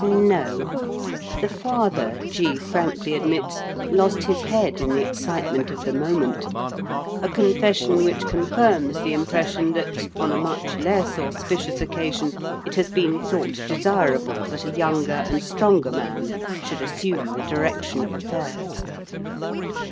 No; the father, G. frankly admits, lost his head in the excitement of the moment a confession which confirms the impression that, on a much less auspicious occasion, it has been thought desirable that a younger and stronger man should assume the direction of affairs.